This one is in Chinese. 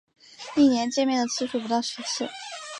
一年见面的次数不到十次